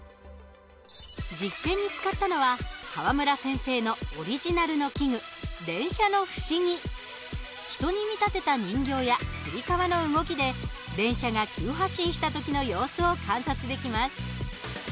実験に使ったのは川村先生のオリジナルの器具人に見立てた人形やつり革の動きで電車が急発進した時の様子を観察できます。